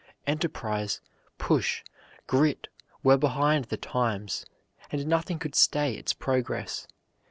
Enterprise, push, grit were behind the "Times," and nothing could stay its progress.